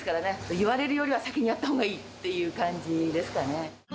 言われるよりは先にやったほうがいいっていう感じですかね。